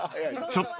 ［ちょっと！